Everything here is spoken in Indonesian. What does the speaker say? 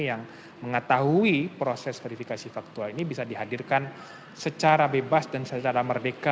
yang mengetahui proses verifikasi faktual ini bisa dihadirkan secara bebas dan secara merdeka